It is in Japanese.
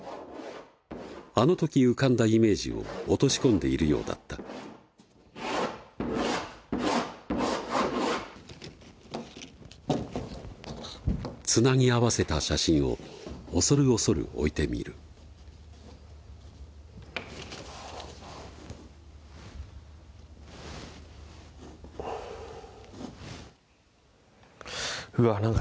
あの時浮かんだイメージを落とし込んでいるようだったつなぎ合わせた写真を恐る恐る置いてみるうわぁ